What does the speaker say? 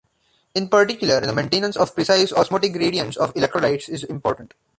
In particular, the maintenance of precise osmotic gradients of electrolytes is important.